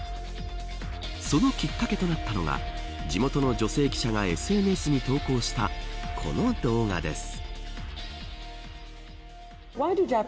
そのきっかけとなったのが地元の女性記者がＳＮＳに投稿したこの動画です。